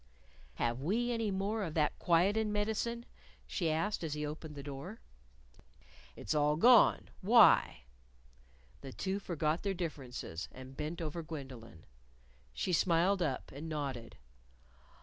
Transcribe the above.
"Have we any more of that quietin' medicine?" she asked as he opened the door. "It's all gone. Why?" The two forgot their differences, and bent over Gwendolyn. She smiled up, and nodded.